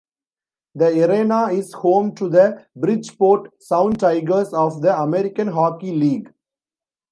The Arena is home to the Bridgeport Sound Tigers of the American Hockey League.